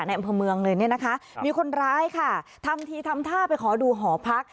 อำเภอเมืองเลยเนี่ยนะคะมีคนร้ายค่ะทำทีทำท่าไปขอดูหอพัก